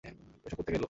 এসব কোত্থেকে এলো?